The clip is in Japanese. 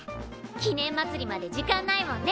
記念まつりまで時間ないもんね。